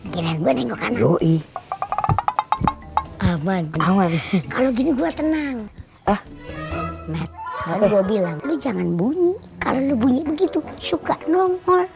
pelan pelan iye aman aman kalau gini gua tenang lu jangan bunyi kalau begitu suka nomor